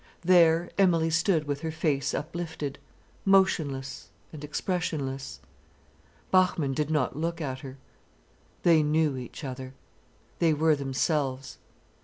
There Emilie stood with her face uplifted, motionless and expressionless. Bachmann did not look at her. They knew each other. They were themselves.